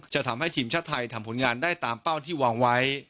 จะทำให้ทีมชาติไทยทำผลงานได้ตามเป้าที่วางไว้